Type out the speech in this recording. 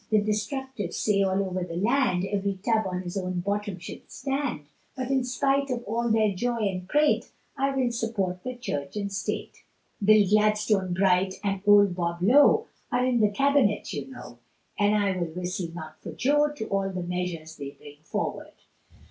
The destructives say all over the land, Every tub on his own bottom shall stand. But in spite of all their joy and prate, I will support the Church and State. Bill Gladstone, Bright, and old Bob Lowe, Are in the Cabinet you know, And I will whistle not for Joe, To all the measures they bring forward.